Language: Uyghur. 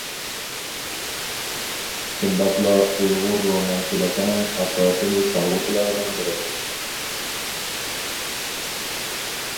شۇنداقلا ئۇيغۇر رومانچىلىقىنىڭ ئاساسىنى سالغۇچىلارنىڭ بىرى.